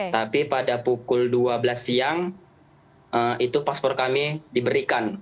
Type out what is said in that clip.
tapi pada pukul dua belas siang itu paspor kami diberikan